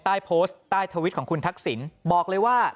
ใต้โพสต์ใต้ทวิตของคุณทักษิณบอกเลยว่า